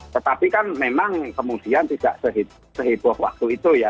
tetapi kan memang kemudian tidak seheboh waktu itu ya